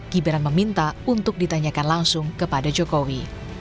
gibran meminta untuk ditanyakan langsung kepada jokowi